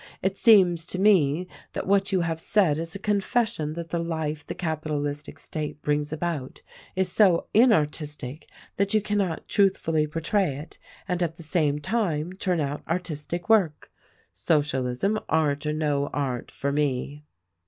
It seems to me that what you have said is a confession that the life the capitalistic state brings about is so inartis tic that you cannot truthfully portray it and at the same time turn out artistic work. Socialism, art or no art, for me!"